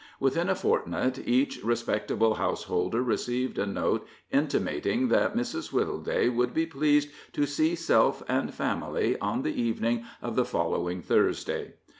Within a fortnight each respectable householder received a note intimating that Mrs. Wittleday would be pleased to see self and family on the evening of the following Thursday.